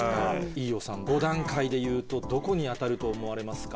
飯尾さん５段階でいうとどこに当たると思われますか？